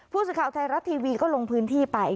ผู้สื่อข่าวไทยรัฐทีวีก็ลงพื้นที่ไป